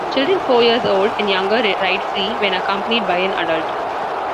Children four years old and younger ride free when accompanied by an adult.